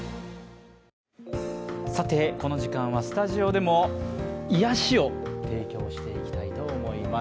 さて、この時間はスタジオでも癒やしを提供していきたいと思います。